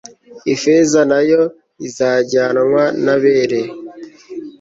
ifeza na yo izajyanwa n'abere